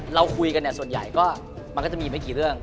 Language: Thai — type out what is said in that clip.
เราคุยกันเนี่ยส่วนใหญ่ก็มันก็จะมีไม่กี่เรื่อง